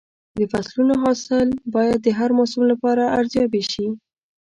د فصلونو حاصل باید د هر موسم لپاره ارزیابي شي.